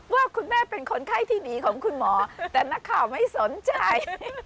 ว่าคุณแม่เป็นคนไข้ที่ดีของคุณหมอแต่นักข่าวไม่สนใจ